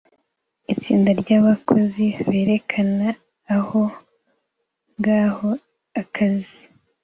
Itsinda ryabakozi berekana aho ngaho akazi